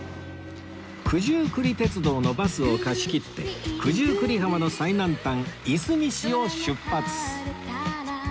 九十九里鐵道のバスを貸し切って九十九里浜の最南端いすみ市を出発